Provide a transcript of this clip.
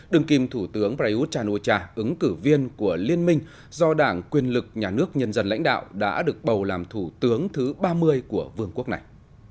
đừng kìm thủ tướng prayuth chan o cha ứng cử viên của liên minh do đảng quyền lực nhà nước nhân dân lãnh đạo đã được bầu làm thủ tướng thứ ba mươi của vương quốc này